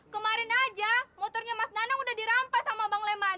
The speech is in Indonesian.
kemarin aja motornya mas nana udah dirampas sama bang leman